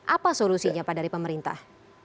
apa solusinya pak dari pemerintah